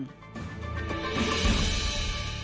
โปรดติดตามตอนต่อไป